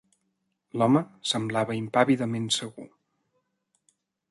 L'home semblava impàvidament segur.